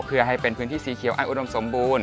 เพื่อให้เป็นพื้นที่สีเขียวอันอุดมสมบูรณ